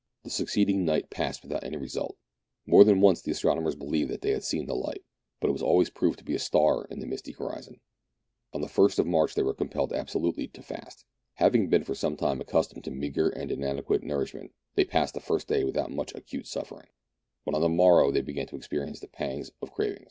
The succeeding night passed without any result. More than once the astronomers believed that they had seen the light, but it was always proved to be a star in the misty horizon. On the ist of March they were compelled absolutely to fast. Having been for some time accustomed to meagre and inadequate nourishment, they passed the first day without much acute suffering, but on the morrow they began to experience the pangs of craving.